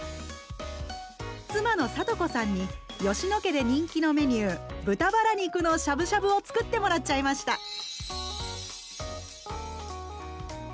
妻の聡子さんに吉野家で人気のメニュー豚バラ肉のしゃぶしゃぶを作ってもらっちゃいました。